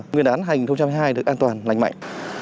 nguyên đán hành thông trang hai được an toàn lành mạnh